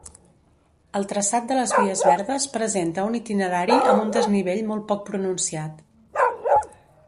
El traçat de les vies verdes presenta un itinerari amb un desnivell molt poc pronunciat.